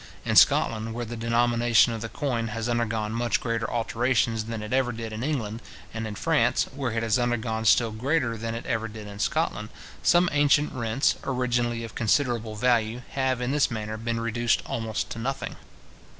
In Scotland, where the denomination of the coin has undergone much greater alterations than it ever did in England, and in France, where it has undergone still greater than it ever did in Scotland, some ancient rents, originally of considerable value, have, in this manner, been reduced almost to nothing.